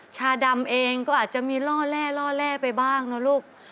ชาดำเองก็อาจจะมีล่อแร่ล่อแร่ไปบ้างนะลูก